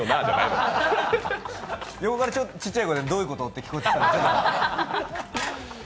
横からちょっと小さい声で「どういうこと？」って聞こえたから。